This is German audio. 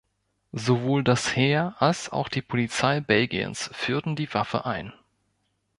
Sowohl das Heer als auch die Polizei Belgiens führten die Waffe ein.